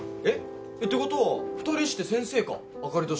えっ？えっ？ってことは２人して先生か。